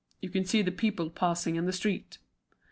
You can see the people passing in the street."